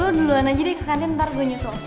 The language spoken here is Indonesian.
lo duluan aja deh ke kantin ntar gue nyusul